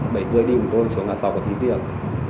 bảy rưỡi đi cùng tôi xuống a sáu của thí viện